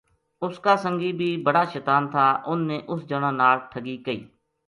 ا ُس کا سنگی بی بڑا شطان تھا اُنھ نے اس جنا ناڑ ٹھگی کئی